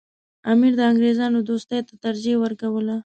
امیر د انګریزانو دوستۍ ته ترجیح ورکوله.